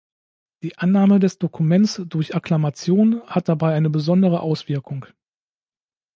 Die Annahme des Dokuments durch Akklamation hat dabei eine besondere Auswirkung.